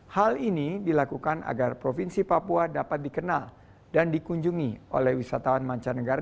hal ini dilakukan agar provinsi papua dapat dikenal dan dikunjungi oleh wisatawan mancanegara